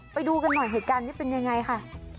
ไปดูกันหน่อยเหตุการณ์นี้เป็นยังไงค่ะ